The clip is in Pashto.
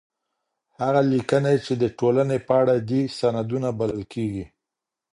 هغه ليکنې چي د ټولني په اړه دي، سندونه بلل کيږي.